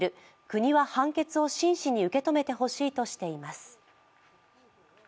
国は判決を真摯に受け止めてほしいとしています。